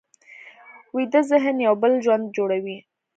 ویده ذهن یو بل ژوند جوړوي